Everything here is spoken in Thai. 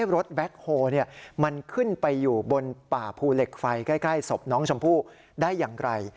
รถแบ็คโฮมันขึ้นไปอยู่บนป่าภูเหล็กไฟใกล้ศพน้องชมพู่ได้อย่างไร